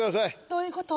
どういうこと？